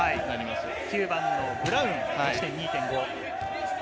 ９番のブラウン、持ち点２．５。